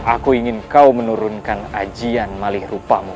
aku ingin kau menurunkan ajian malih rupamu